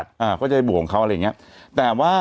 แต่หนูจะเอากับน้องเขามาแต่ว่า